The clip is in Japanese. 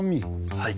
はい。